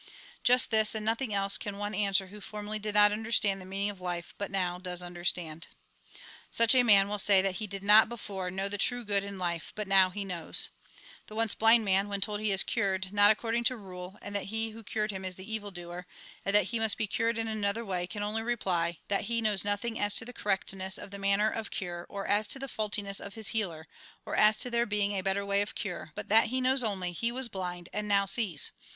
Just this, and nothing else, can one answer who formerly did not understand the meaning of life, but now does understand. Such a man will say that he did not, before, know the true good in life, but now he knows. The once blind man, A RECAPITULATION 193 when told he is cured not according to rule, and that he who cured hina is the evil doer, and that he must be cured in another way, can only reply, that he knows nothing as to the correctness of the manner of cure, or as to the faultiness of his healer, or as to there being a better way of cure, but that he knows only, he was blind, and now sees.